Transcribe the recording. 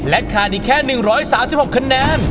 ขาดอีกแค่๑๓๖คะแนน